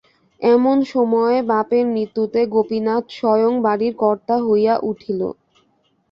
এমন সময়ে বাপের মৃত্যুতে গোপীনাথ স্বয়ং বাড়ির কর্তা হইয়া উঠিল।